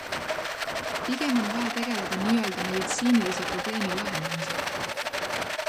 Pigem on vaja tegeleda nii-öelda meditsiinilise probleemi lahendamisega.